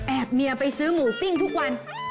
เมียไปซื้อหมูปิ้งทุกวัน